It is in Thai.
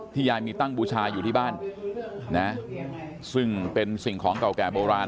ยายมีตั้งบูชาอยู่ที่บ้านนะซึ่งเป็นสิ่งของเก่าแก่โบราณ